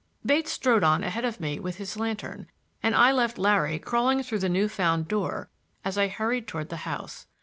Bates strode on ahead of me with his lantern, and I left Larry crawling through the new found door as I hurried toward the house.